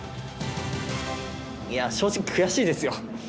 正直、悔しいですよ。